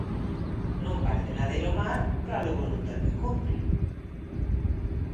Non vale de nada ir ao mar para logo non ter quen compre.